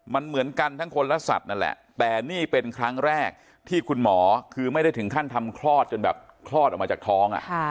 มันเหมือนกันทั้งคนและสัตว์นั่นแหละแต่นี่เป็นครั้งแรกที่คุณหมอคือไม่ได้ถึงขั้นทำคลอดจนแบบคลอดออกมาจากท้อง